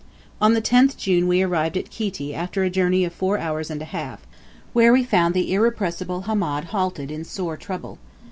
On the 10th June we arrived at Kiti after a journey of four hours and a half, where we found the irrepressible Hamed halted in sore trouble.